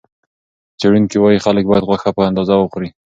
څېړونکي وايي، خلک باید غوښه په اندازه وخوري.